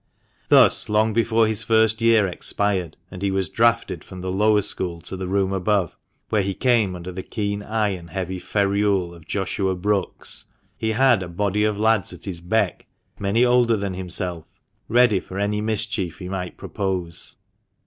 Thus, long before his first year expired, and he was drafted from the lower school to the room above, where he came under the keen eye and heavy ferule of Joshua Brookes, he had a body of lads at his beck (many older than himself), ready for any mischief he might propose.